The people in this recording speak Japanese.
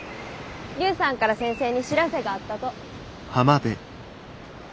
劉さんから先生に知らせがあったと。